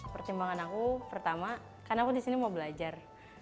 pertimbangan aku pertama karena aku di sini mau belajar